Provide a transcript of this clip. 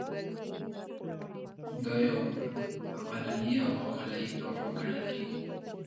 دا یو عقلاني او عقلایي توافق ګڼل کیږي.